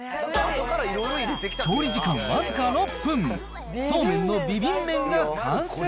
調理時間僅か６分、そうめんのビビン麺が完成。